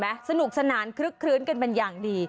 เห็นไหมสนุกสนานครึ่งกันเป็นอย่างดี